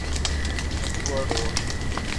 Ecuador